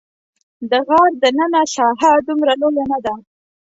د غار دننه ساحه دومره لویه نه ده.